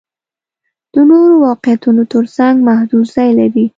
د نورو واقعیتونو تر څنګ محدود ځای لري.